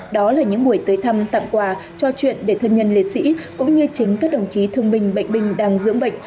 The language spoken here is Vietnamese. đó là những buổi tới thăm tặng quà cho chuyện để thân nhân liệt sĩ cũng như chính các đồng chí thương binh bệnh binh đang dưỡng bệnh